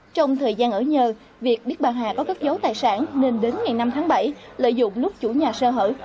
trong thời gian ở nhờ việc biết bà hà có cất dấu tài sản nên đến ngày năm tháng bảy lợi dụng lúc chủ nhà sơ hở